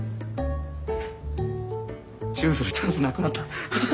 チューするチャンスなくなったハハハッ。